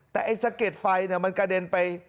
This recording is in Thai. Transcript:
แต่ไอ้สะเก็ดไฟมันกระเด็นไป